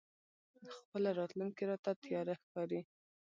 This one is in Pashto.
خپله راتلونکې راته تياره ښکاري.